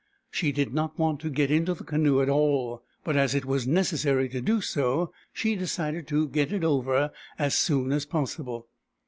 She did not want to get into the canoe at all ; but as it was necessary to do so, she decided to get it over as soon as possible.